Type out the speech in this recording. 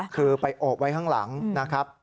คือไปโอบไว้ข้างหลังนะครับ